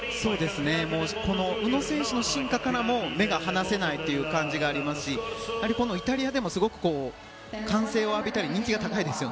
宇野選手の進化からも目が離せない感じがありますしイタリアでも歓声を浴びたり人気が高いです。